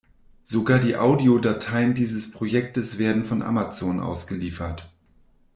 Sogar die Audiodateien dieses Projektes werden von Amazon ausgeliefert.